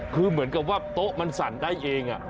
คือเหมือนกับว่าโต๊ะมันสั่นได้เอง